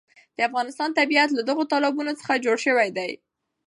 د افغانستان طبیعت له دغو تالابونو څخه جوړ شوی دی.